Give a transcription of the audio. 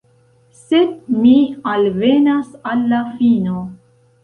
Sed mi alvenas al la fino.